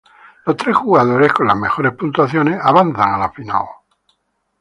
Los tres jugadores con las mejores puntuaciones avanzan a la final.